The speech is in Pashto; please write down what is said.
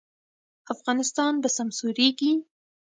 افغانستان به سمسوریږي؟